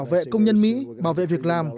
chúng ta sẽ bảo vệ công nhân mỹ bảo vệ việc làm